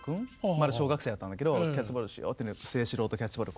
まだ小学生だったんだけどキャッチボールしようって清史郎とキャッチボール